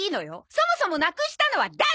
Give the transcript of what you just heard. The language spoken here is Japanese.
そもそもなくしたのは誰？